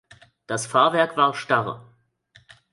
Das Fahrwerk war starr.